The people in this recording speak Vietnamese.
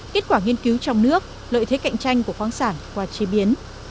kết quả nghiên cứu trong nước lợi thế cạnh tranh của khoáng sản qua chế biến